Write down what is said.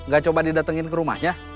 gak coba didatengin ke rumahnya